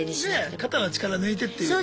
肩の力抜いてっていう。